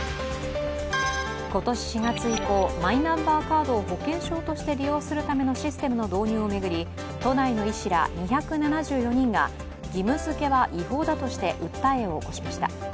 今年４月以降、マイナンバーカードを保険証として利用するためのシステムの導入を巡り、都内の医師ら２７４人が義務づけは違法だとして訴えを起こしました。